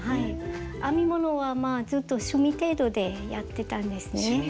編み物はまあちょっと趣味程度でやってたんですね。